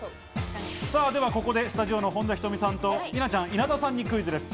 ではここでスタジオの本田仁美さんと稲ちゃん、稲田さんにクイズです。